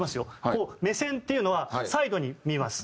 こう目線っていうのはサイドに見ます。